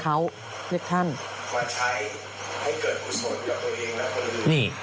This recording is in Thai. กับตัวเองและคนอื่น